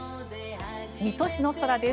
水戸市の空です。